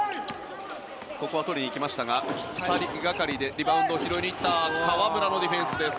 ここは取りにいきましたが２人がかりでリバウンドを拾いにいった河村のディフェンスです。